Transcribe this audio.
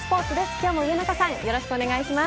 今日も上中さん、お願いします。